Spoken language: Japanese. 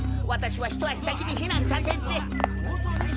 私は一足先に避難させてあっ。